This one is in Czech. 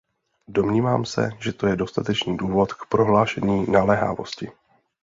Domnívám se, že to je dostatečný důvod k prohlášení naléhavosti.